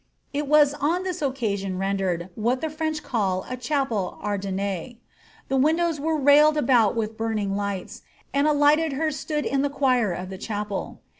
It was on this occasion rendered what the French call a chapel ardenie. The windows were railed about with buniing lifhts, and a lighted hearse stood in the quire of the chapel.